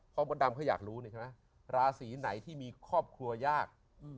พ่อบ๊อตดำก็อยากรู้นะครับราศีไหนที่มีครอบครัวยาก